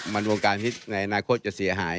มันวงการฮิตในอนาคตจะเสียหาย